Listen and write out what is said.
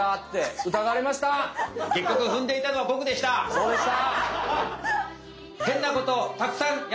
そうでした！